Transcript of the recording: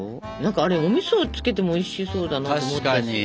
あれおみそつけてもおいしそうだなと思ったし。